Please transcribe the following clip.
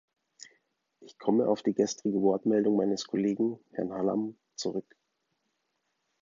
Ich komme auf die gestrige Wortmeldung meines Kollegen, Herrn Hallam, zurück.